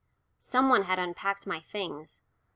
Some one had unpacked my things.